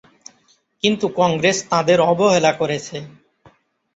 কিন্তু কংগ্রেস তাঁদের অবহেলা করেছে।